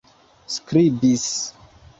skribis